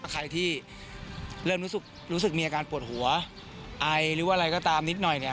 ใครที่เริ่มรู้สึกมีอาการปวดหัวไอหรือว่าอะไรก็ตามนิดหน่อยเนี่ย